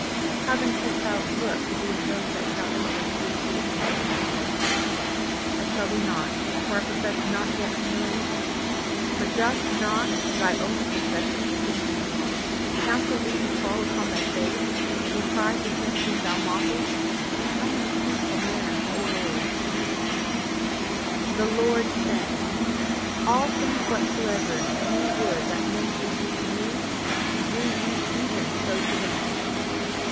How then canst thou look to be of those that shall enter through the gates into the city? I tell thee not, for I profess not yet to know anything, but doth not thy own profession of Christianity counsel thee to fall upon thy face, and cry to him whom thou mockest, 'I am a sinful man, O Lord'? "The Lord said: All things whatsoever ye would that men should do to you, do ye even so to them.